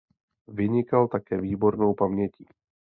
Vynikal také výbornou pamětí.